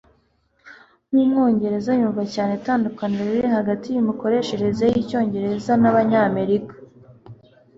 Nkumwongereza yumva cyane itandukaniro riri hagati yimikoreshereze yicyongereza n'abanyamerika (NekoKanjya)